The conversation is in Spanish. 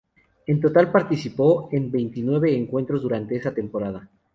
En total, participó en veintinueve encuentros durante esa temporada.